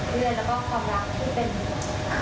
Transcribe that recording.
เพื่อนแล้วก็ความรักที่เป็นครบทุกรถเลยครับ